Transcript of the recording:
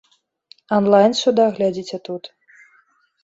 Анлайн з суда глядзіце тут.